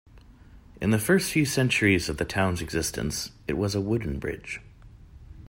In the first few centuries of the town's existence, it was a wooden bridge.